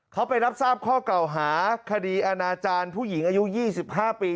เขาไปรับทราบข้อเก่าหาคดีอนาจารย์ผู้หญิงอายุยี่สิบห้าปี